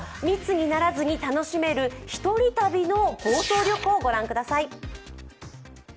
密にならずに楽しめる一人旅の房総旅行をご覧ください。